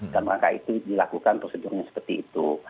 dan mereka itu dilakukan prosedurnya seperti itu